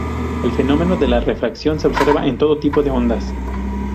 El fenómeno de la refracción se observa en todo tipo de ondas.